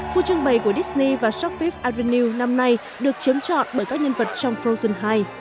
khu trưng bày của disney và shop fifth avenue năm nay được chiếm chọn bởi các nhân vật trong frozen hai